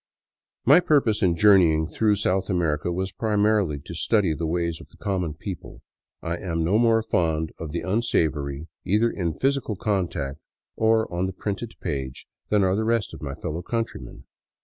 My purpose in journeying through South America was primarily to study the ways of the common people. I am no more fond of the unsavory, either in physical contact or on the printed page, than are the rest of my fellow countrymen.